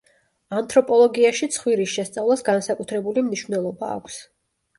ანთროპოლოგიაში ცხვირის შესწავლას განსაკუთრებული მნიშვნელობა აქვს.